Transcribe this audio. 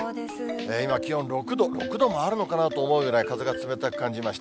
今、気温６度、６度もあるのかなと思うぐらい風が冷たく感じました。